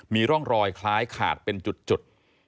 มีร่องรอยคล้ายขาดเป็นจุด